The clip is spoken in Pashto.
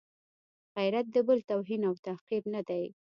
غیرت د بل توهین او تحقیر نه دی.